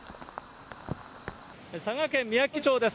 佐賀県みやき町です。